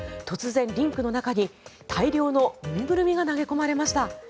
突然、リンクの中に大量の縫いぐるみが投げ込まれました。